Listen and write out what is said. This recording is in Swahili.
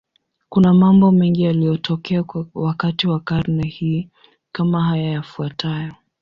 Kuna mambo mengi yaliyotokea wakati wa karne hii, kama haya yafuatayo.